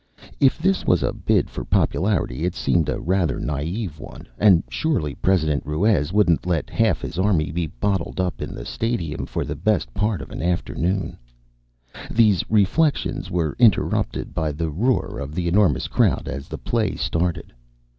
If this was a bid for popularity, it seemed a rather naive one. And surely President Ruiz wouldn't let half his army be bottled up in this stadium for the best part of an afternoon ... THE STROKE OF THE SUN These reflections were inter rupted by the roar of the enor mous crowd as play started.